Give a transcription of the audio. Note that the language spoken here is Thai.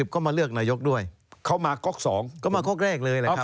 เขามาก็กก๒เลย